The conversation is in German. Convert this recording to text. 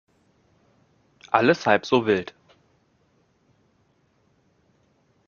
Alles halb so wild.